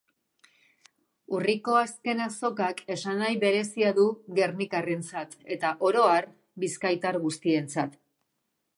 Urriko azken azokak esanahi berezia du gernikarrentzat eta oro har, bizkaitar guztientzat.